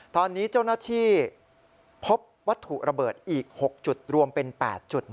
ตอนนี้เจ้าหน้าที่พบวัตถุระเบิดอีก๖จุดรวมเป็น๘จุด